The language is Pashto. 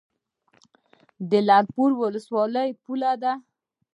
د لعل پورې ولسوالۍ پوله ده